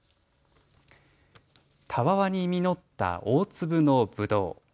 たわわに実った大粒のぶどう。